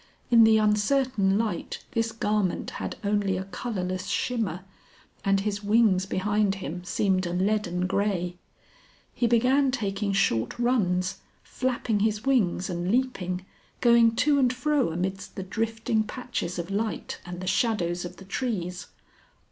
In the uncertain light this garment had only a colourless shimmer, and his wings behind him seemed a leaden grey. He began taking short runs, flapping his wings and leaping, going to and fro amidst the drifting patches of light and the shadows of the trees.